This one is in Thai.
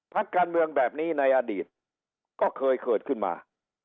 พักการเมืองแบบนี้ในอดีตก็เคยเกิดขึ้นมา